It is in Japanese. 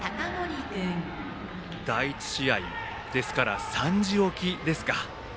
第１試合ですから３時起きですか。